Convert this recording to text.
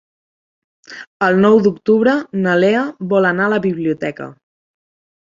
El nou d'octubre na Lea vol anar a la biblioteca.